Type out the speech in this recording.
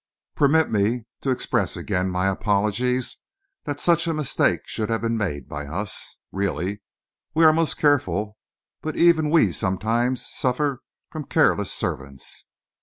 "Permit me to express again my apologies that such a mistake should have been made by us. Really, we are most careful; but even we sometimes suffer from careless servants.